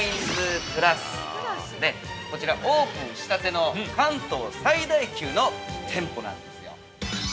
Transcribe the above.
こちらオープンしたての関東最大級の店舗なんですよ。